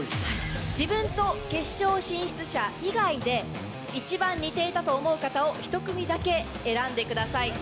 自分と決勝進出者以外で一番似ていたと思う方を１組だけ選んでください。